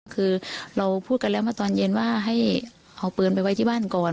คือเราพูดกันแล้วมาตอนเย็นว่าให้เอาปืนไปไว้ที่บ้านก่อน